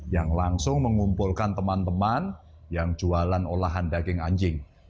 yang langsung mengumpulkan teman teman yang jualan olahan daging anjing